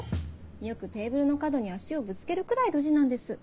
よくテーブルの角に足をぶつけるくらいドジなんです。